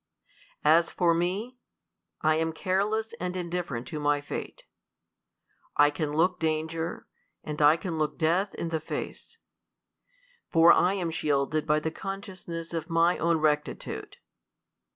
As for me, I am careless and indifferent to my fate. I can look danger, and I can look death in the face ; for I am shielded by the consciousness of my own recti tude.